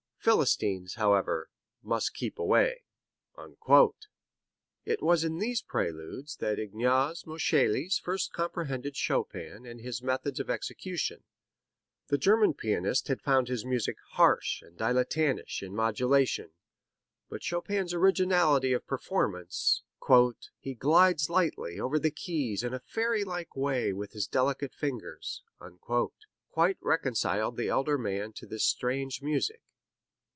Philistines, however, must keep away." It was in these Preludes that Ignaz Moscheles first comprehended Chopin and his methods of execution. The German pianist had found his music harsh and dilettantish in modulation, but Chopin's originality of performance "he glides lightly over the keys in a fairy like way with his delicate fingers" quite reconciled the elder man to this strange music.